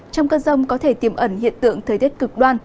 trong cơn rông có thể tiềm ẩn hiện tượng thời tiết cực đoan